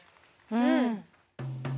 うん！